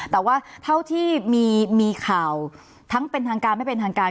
แต่ว่าเท่าที่มีข่าวทั้งเป็นทางการไม่เป็นทางการ